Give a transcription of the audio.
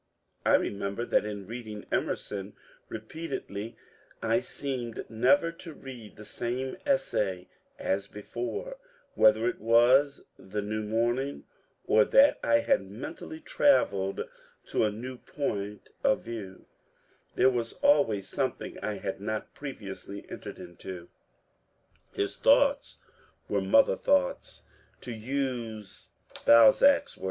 I remember that in reading Emerson ^repeatedly I seemed never to read the same essay as before : whether it was the new morning, or that I had mentally travelled to a new point of view, there was always something I had not previously entered into« His thoughts were mother thoughts, to use Balzac's won).